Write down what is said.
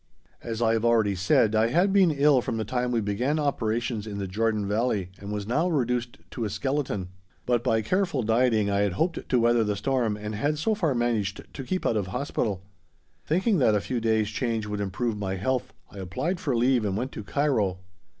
As I have already said, I had been ill from the time we began operations in the Jordan Valley and was now reduced to a skeleton, but by careful dieting I had hoped to weather the storm and had so far managed to keep out of Hospital. Thinking that a few days change would improve my health I applied for leave and went to Cairo.